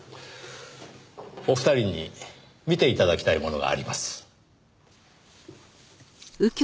お二人に見て頂きたいものがあります。